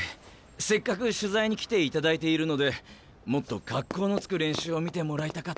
せっかく取材に来ていただいているのでもっと格好のつく練習を見てもらいたかったんですけど。